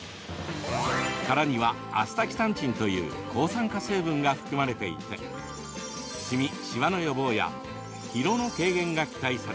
殻にはアスタキサンチンという抗酸化成分が含まれていてしみ、しわの予防や疲労の軽減が期待されます。